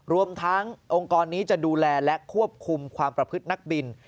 รวมทั้งองค์กรนี้จะดูแลและควบคุมความประพฤตินักบิน